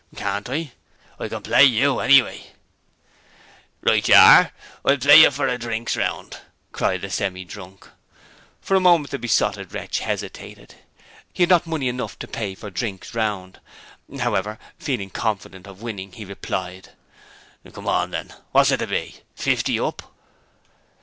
'Can't I? I can play you, anyway.' 'Right you are! I'll play you for drinks round!' cried the Semi drunk. For a moment the Besotted Wretch hesitated. He had not money enough to pay for drinks round. However, feeling confident of winning, he replied: 'Come on then. What's it to be? Fifty up?'